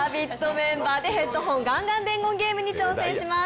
メンバーで「ヘッドホンガンガン伝言ゲーム」に挑戦します。